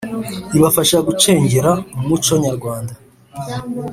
ibafasha gucengera umuco nyarwanda,